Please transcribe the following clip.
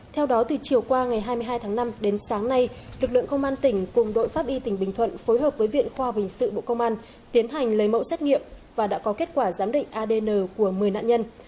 theo đó từ chiều qua ngày hai mươi hai tháng năm đến sáng nay lực lượng công an tỉnh cùng đội pháp y tỉnh bình thuận phối hợp với viện khoa bình sự bộ công an tiến hành lấy mẫu xét nghiệm và đã có kết quả giám định adn của một mươi nạn nhân